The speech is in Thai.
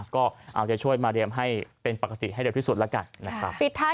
ก็เอาใจช่วยมาเรียมให้เป็นปกติให้เร็วที่สุดแล้วกันนะครับ